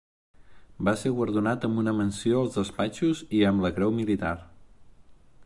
Va ser guardonat amb una Menció als Despatxos i amb la Creu Militar.